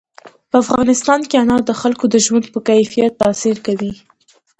په افغانستان کې انار د خلکو د ژوند په کیفیت تاثیر کوي.